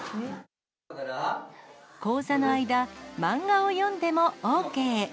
講座の間、漫画を読んでもＯＫ。